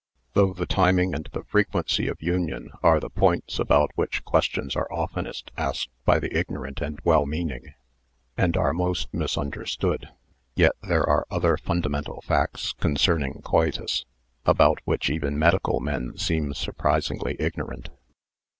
Though the timing and the frequency of union are the points about which questions are oftenest asked by the ignorant and well meaning, and are most mis understood, yet there are other fundamental facts con cerning coitus about which even medical men seem surprisingly ignorant.